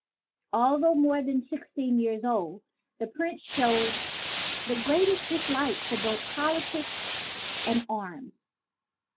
Al though more than sixteen years old, the Prince showed the greatest dislike for both politics and arms.